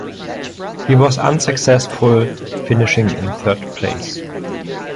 He was unsuccessful, finishing in third place.